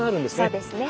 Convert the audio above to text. そうですね。